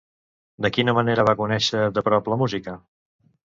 De quina manera va conèixer de prop la música?